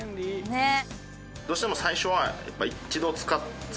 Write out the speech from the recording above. ねっ。